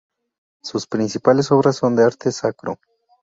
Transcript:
Sus principales obras son de arte sacro.